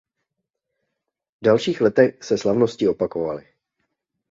V dalších letech se slavnosti opakovaly.